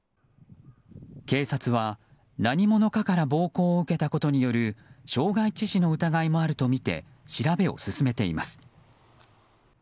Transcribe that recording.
警察は何者かから暴行を受けたことによる傷害致死の疑いもあるとみて調べを進めています。